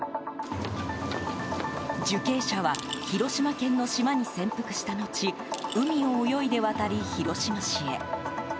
受刑者は広島県の島に潜伏した後海を泳いで渡り、広島市へ。